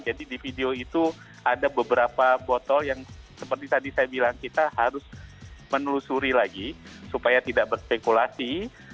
jadi di video itu ada beberapa botol yang seperti tadi saya bilang kita harus menelusuri lagi supaya tidak berspekulasi